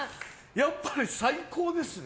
やっぱり最高ですね。